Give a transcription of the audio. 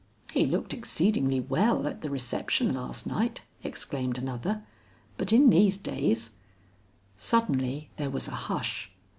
"He looked exceedingly well at the reception last night," exclaimed another; "but in these days " Suddenly there was a hush.